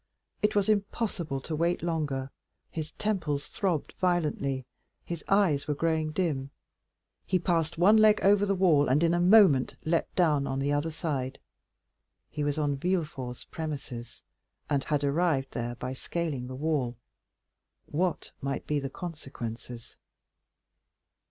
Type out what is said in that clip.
It was impossible to wait longer, his temples throbbed violently, his eyes were growing dim; he passed one leg over the wall, and in a moment leaped down on the other side. He was on Villefort's premises—had arrived there by scaling the wall. What might be the consequences?